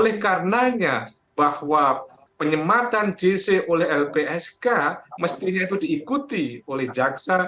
oleh karenanya bahwa penyematan jc oleh lpsk mestinya itu diikuti oleh jaksa